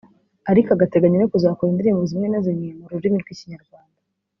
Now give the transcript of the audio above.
ariko agateganya no kuzakora indirimbo zimwe na zimwe mu rurimi rw’ikinyarwanda